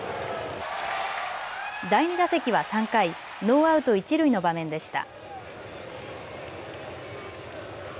第２打席は３回、ノーアウト一塁の場面でした。